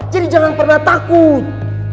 jadi jangan pernah takut